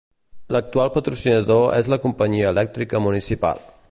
L'actual patrocinador és la Companyia Elèctrica Municipal.